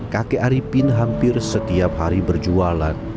kakek arifin hampir setiap hari berjualan